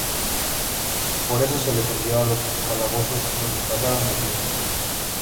Por eso se les envió a los calabozos donde pasaron el día.